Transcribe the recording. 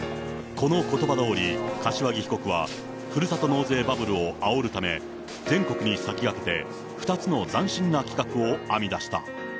このことばどおり、柏木被告は、ふるさと納税バブルをあおるため、全国に先駆けて、２つの斬新な企画を編み出した。